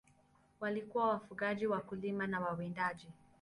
Walikuwa wafugaji, wakulima na wawindaji.